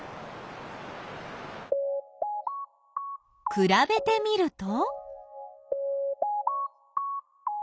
くらべてみると？